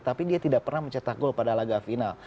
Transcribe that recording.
tapi dia tidak pernah mencetak gol pada la gavina